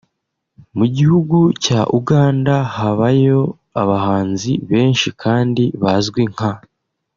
Mu gihugu cya Uganda habayo abahanzi benshi kandi bazwi nka